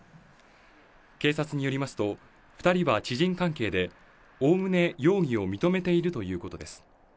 警察によりますと２人は知人関係で、おおむね容疑を認めているということです。